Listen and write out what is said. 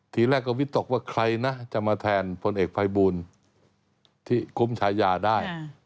ทีแรกก็วิตกว่าใครนะจะมาแทนพลเอกภัยบูลที่คุ้มชายาได้